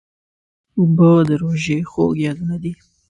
اوبه د روژې خوږ یادونه ده.